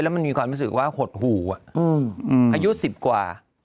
มันมีความรู้สึกว่าหดหู่อายุ๑๐กว่า